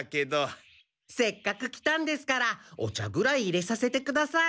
せっかく来たんですからお茶ぐらいいれさせてください。